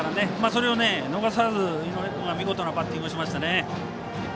それを逃さず、井上君が見事なバッティングをしました。